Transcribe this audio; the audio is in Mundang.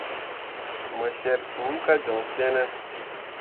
Mo syet kpu kah joŋ fene ?